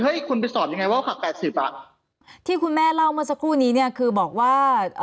ให้คุณไปสอบยังไงว่าผักแปดสิบอ่ะที่คุณแม่เล่าเมื่อสักครู่นี้เนี่ยคือบอกว่า